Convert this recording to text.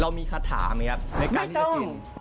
เรามีคาถาไหมครับในการที่จะกินไม่ต้อง